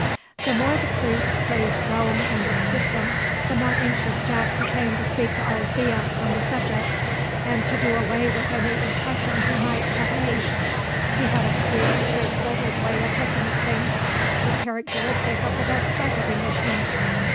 The more the priest praised Rome and its system, the more anxious Jack became to speak to Alethea on the subject, and to do away with any impression he might have made. He had a clear, straightforward way of looking at things, the characteristic of the best type of Englishmen.